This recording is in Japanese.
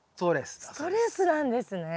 ストレスなんですね。